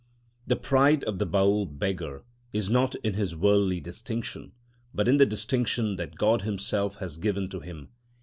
The pride of the Baül beggar is not in his worldly distinction, but in the distinction that God himself has given to him.